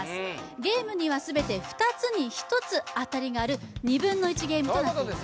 ゲームにはすべて２つに１つ当たりがある２分の１ゲームとなっています